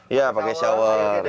iya pakai shower